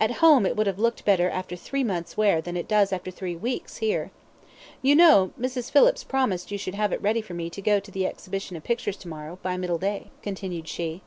At home it would have looked better after three months' wear than it does after three weeks here. You know, Mrs. Phillips promised you should have it ready for me to go to the exhibition of pictures tomorrow, by middle day," continued she.